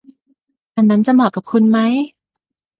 อันนั้นจะเหมาะกับคุณไหม